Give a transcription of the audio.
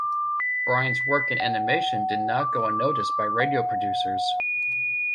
Bryan's work in animation did not go unnoticed by radio producers.